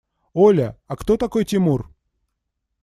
Оля, а кто такой Тимур?